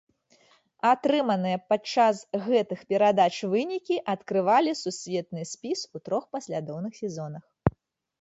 Атрыманыя падчас гэтых перадач вынікі адкрывалі сусветны спіс у трох паслядоўных сезонах.